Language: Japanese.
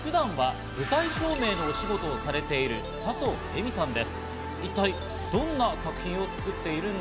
まずは普段は舞台照明の仕事をされている佐藤江未さんです。